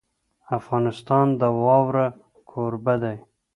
افغانستان د واوره کوربه دی.